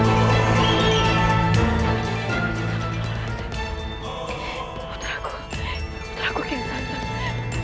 putraku putraku kian santang